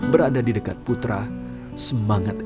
berada di dekat putra semangat